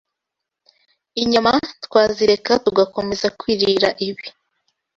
inyama twazireka tugakomeza kwirira ibi